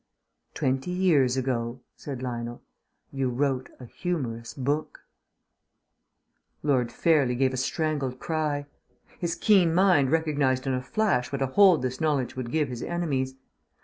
"Twenty years ago," said Lionel, "you wrote a humorous book." Lord Fairlie gave a strangled cry. His keen mind recognized in a flash what a hold this knowledge would give his enemies.